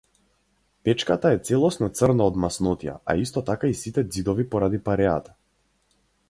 Печката е целосно црна од маснотија, а исто така и сите ѕидови поради пареата.